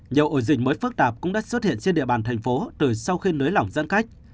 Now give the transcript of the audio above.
nhiều ổ dịch mới phức tạp cũng đã xuất hiện trên địa bàn thành phố từ sau khi nới lỏng giãn cách